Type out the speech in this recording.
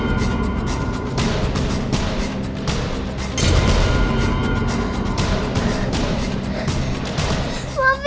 untung ada jangkauan